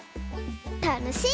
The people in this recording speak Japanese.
たのしい！